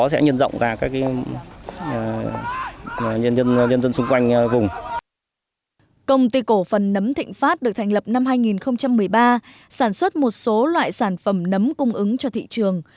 công ty cổ phần nấm thịnh phát được thành lập năm hai nghìn một mươi ba sản xuất một số loại sản phẩm nấm cung ứng cho thị trường